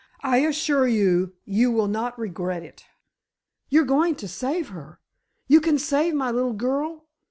I assure you you will not regret it." "You're going to save her? You can save my little girl?